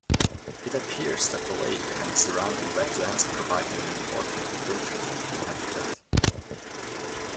It appears that the lake and surrounding wetlands provide an important winter feeding habitat.